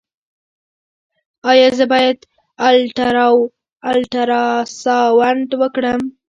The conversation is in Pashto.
ایا زه باید الټراساونډ وکړم؟